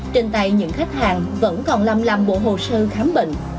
trên tay những khách hàng vẫn còn lăm lăm bộ hồ sơ khám bệnh